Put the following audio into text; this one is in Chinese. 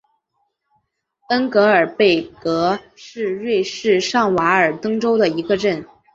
恩格尔贝格是瑞士上瓦尔登州的一个镇。